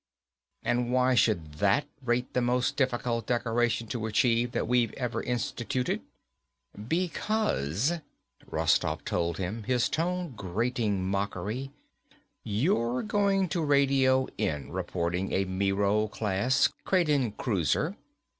"And why should that rate the most difficult decoration to achieve that we've ever instituted?" "Because," Rostoff told him, his tone grating mockery, "you're going to radio in reporting a Miro class Kraden cruiser.